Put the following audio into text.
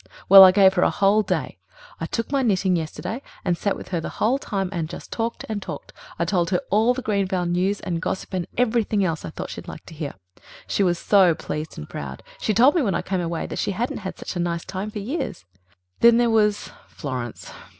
Well, I gave her a whole day. I took my knitting yesterday, and sat with her the whole time and just talked and talked. I told her all the Greenvale news and gossip and everything else I thought she'd like to hear. She was so pleased and proud; she told me when I came away that she hadn't had such a nice time for years. "Then there was ... Florence.